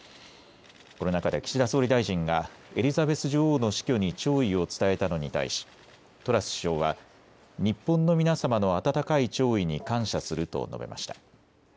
この中で岸田総理大臣がエリザベス女王の死去に弔意を伝えたのに対しトラス首相は日本の皆様の温かい弔意に感謝すると述べました。